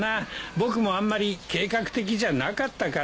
僕もあんまり計画的じゃなかったから。